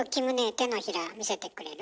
手のひら見せてくれる？